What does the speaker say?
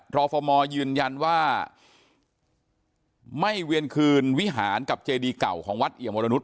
รฟมยืนยันว่าไม่เวียนคืนวิหารกับเจดีเก่าของวัดเอี่ยมวรนุษ